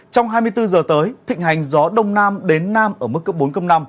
trong hai mươi bốn giờ tới thịnh hành gió đông nam đến nam ở mức cấp bốn cấp năm